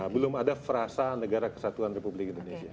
belum ada frasa negara kesatuan republik indonesia